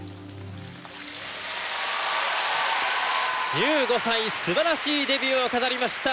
１５歳すばらしいデビューを飾りました羽生結弦！